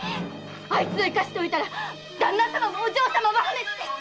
あいつを生かしておいたら旦那様もお嬢様も破滅です！